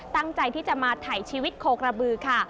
ตั้งใจที่จะมาถ่ายชีวิตโคกระบือค่ะ